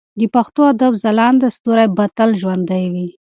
د پښتو ادب ځلانده ستوري به تل ژوندي وي.